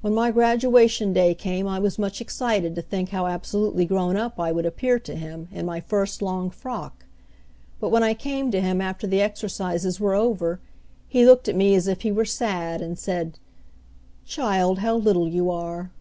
When my graduation day came I was much excited to think how absolutely grown up I would appear to him in my first long frock, but when I came to him after the exercises were over, he looked at me as if he were sad, and said, "Child, how little you are!"